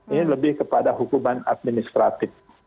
ini lebih kepada hukuman administratif